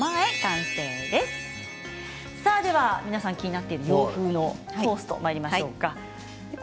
では皆さん気になっている洋風のトーストにまいりましょうか。